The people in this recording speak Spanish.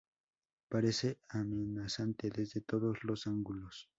Parece amenazante desde todos los ángulos.